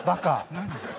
何？